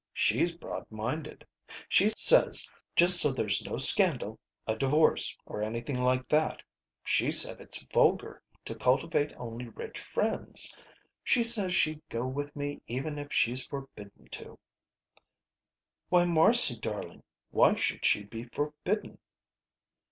She's broad minded. She says just so there's no scandal, a divorce, or anything like that. She said it's vulgar to cultivate only rich friends. She says she'd go with me even if she's forbidden to." "Why, Marcy darling, why should she be forbidden?"